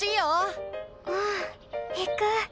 うん行く。